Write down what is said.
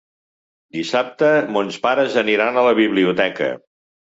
Dissabte mons pares aniran a la biblioteca.